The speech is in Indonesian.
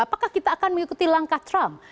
apakah kita akan mengikuti langkah trump